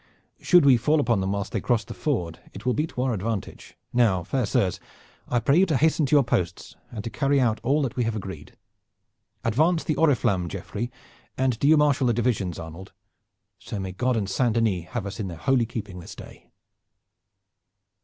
Should we fall upon them whilst they cross the ford it will be to our advantage. Now, fair sirs, I pray you to hasten to your posts and to carry out all that we have agreed. Advance the oriflamme, Geoffrey, and do you marshal the divisions, Arnold. So may God and Saint Denis have us in their holy keeping this day!"